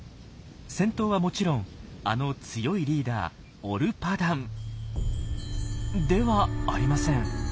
先頭はもちろんあの強いリーダーオルパダンではありません。